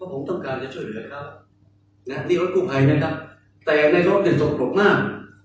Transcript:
ว่าผมต้องการจะช่วยเหลือเขาละค่ะนี่รถกูภายนะครับแต่ในนั้นสุขปรกมาก